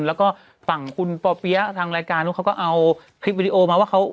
แล้วก็ฝั่งคุณป่อเปี๊ยะทางรายการนู้นเขาก็เอาคลิปวิดีโอมาว่าเขา